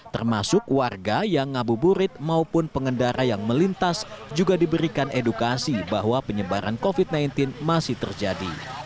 termasuk warga yang ngabuburit maupun pengendara yang melintas juga diberikan edukasi bahwa penyebaran covid sembilan belas masih terjadi